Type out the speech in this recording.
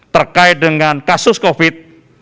terkait dengan kasus covid sembilan belas